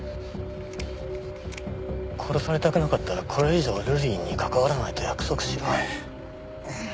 殺されたくなかったらこれ以上ルリリンに関わらないと約束しろ。